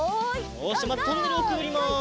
よしまずトンネルをくぐります。